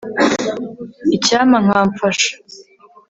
Icyampa nkamfasha